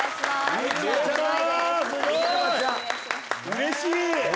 うれしい！